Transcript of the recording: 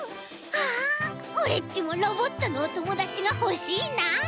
ああオレっちもロボットのおともだちがほしいな。